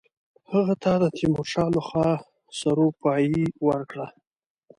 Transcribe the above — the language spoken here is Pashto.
هغه ته د تیمورشاه له خوا سروپايي ورکړه.